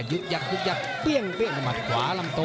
ยึกยักเปรี้ยงมาขวาลำโต้